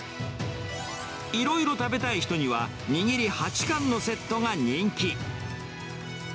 いろいろ食べたい人には、握り８貫のセットが人気。